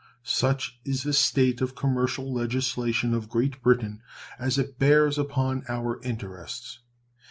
Such is the state of commercial legislation of Great Britain as it bears upon our interests.